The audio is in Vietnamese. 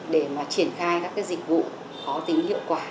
để mà triển khai các dịch vụ có tính hiệu quả